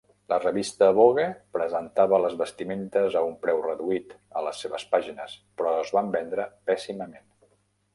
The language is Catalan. La revista Vogue presentava les vestimentes a un preu reduït a les seves pàgines, però es van vendre pèssimament.